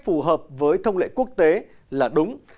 phù hợp với thông lệ quốc tế là đúng